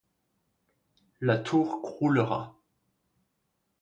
La tour croulera.